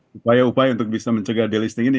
upaya upaya untuk bisa mencegah delisting ini